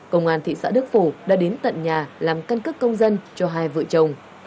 công an thị xã đức phổ đã đến tận nhà làm căn cước công dân cho hai vợ chồng